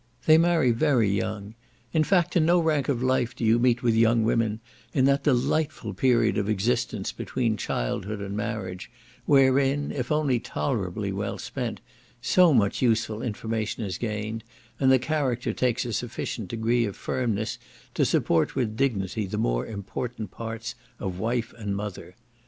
They marry very young; in fact, in no rank of life do you meet with young women in that delightful period of existence between childhood and marriage, wherein, if only tolerably well spent, so much useful information is gained, and the character takes a sufficient degree of firmness to support with dignity the more important parts of wife and mother.